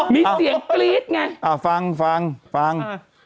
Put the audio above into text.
มีเสียงกรี๊ดไงฟังฟังฟัง